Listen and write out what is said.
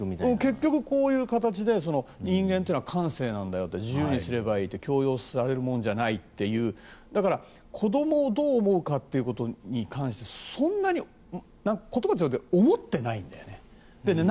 結局こういう形で人間というのは感性なんだよって自由にすればいい強要されるものじゃないっていうだから、子供をどう思うかということに関してそんなに言葉じゃなくて思ってないんだよね。